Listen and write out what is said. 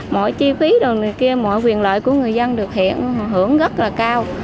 mọi chi phí đồ này kia mọi quyền loại của người dân được hiện hưởng rất là cao